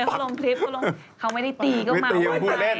เขาไม่ได้ตีเข้ามา